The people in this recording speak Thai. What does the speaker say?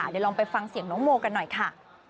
เดี๋ยวลองไปฟังเสียงน้องโมกันหน่อยค่ะ